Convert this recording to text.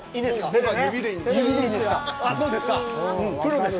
僕は指でいいんです。